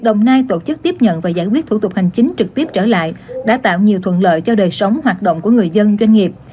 đồng nai tổ chức tiếp nhận và giải quyết thủ tục hành chính trực tiếp trở lại đã tạo nhiều thuận lợi cho đời sống hoạt động của người dân doanh nghiệp